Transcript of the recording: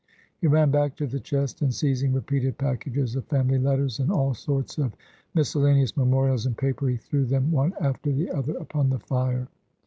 He ran back to the chest, and seizing repeated packages of family letters, and all sorts of miscellaneous memorials in paper, he threw them one after the other upon the fire.